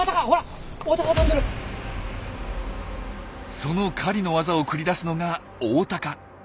その狩りのワザを繰り出すのがオオタカ。